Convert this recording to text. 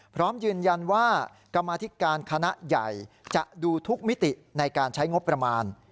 พร้อมยืนยันว่ากรรมาธิการคณะใหญ่จะดูทุกมิติในการใช้งบประมาณ